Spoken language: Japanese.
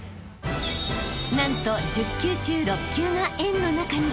［何と１０球中６球が円の中に］